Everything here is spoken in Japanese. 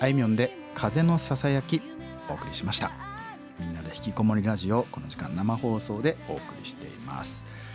「みんなでひきこもりラジオ」この時間生放送でお送りしています。